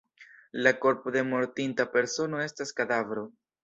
La korpo de mortinta persono estas kadavro.